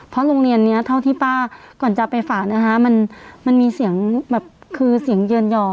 เพราะโรงเรียนนี้เท่าที่ป้าก่อนจะไปฝากนะคะมันมีเสียงแบบคือเสียงเยือนยอ